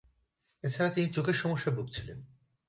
এছাড়া, তিনি চোখের সমস্যায় ভুগছিলেন।